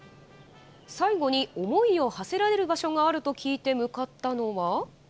最後に思いをはせられる場所があると聞いて向かったのは。